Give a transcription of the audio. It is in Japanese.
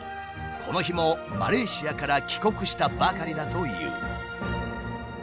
この日もマレーシアから帰国したばかりだという。